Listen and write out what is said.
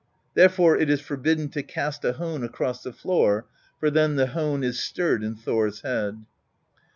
Therefore it is forbidden to cast a hone across the floor, for then the hone is stirred in Thor's head.